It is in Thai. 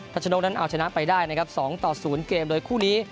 ชนกนั้นเอาชนะไปได้นะครับ๒ต่อ๐เกมโดยคู่นี้